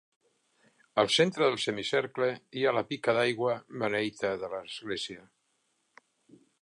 Al centre del semicercle hi ha la pica d'aigua beneita de l'església.